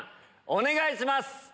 お願いします。